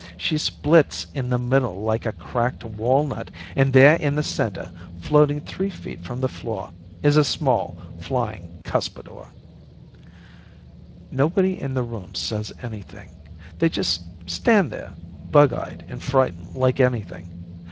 She splits in the middle like a cracked walnut, and there in the center, floating three feet from the floor is a small flying cuspidor. Nobody in the room says anything. They just stand there, bug eyed and frightened like anything.